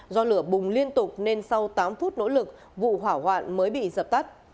do lửa bùng liên tục nên sau tám phút nỗ lực vụ hỏa hoạn mới bị dập tắt